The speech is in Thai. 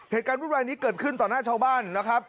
เหตุการณ์บริเวณนี้เกิดขึ้นตอนหน้าชาวบ้านนะครับ